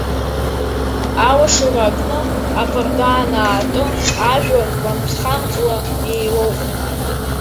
Алашара акны, аԥарда анааты, ажәлар гәамҵхамҵуа еилоуп.